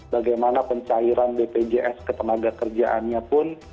bagaimana pencairan bpjs ketenaga kerjaannya pun